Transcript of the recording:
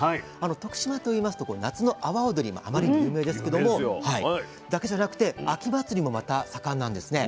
徳島といいますと夏の阿波おどりあまりに有名ですけどもだけじゃなくて秋祭りもまた盛んなんですね。